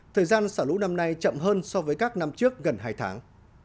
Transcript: thời gian xả lũ năm nay chậm hơn so với các năm trước gần hai tháng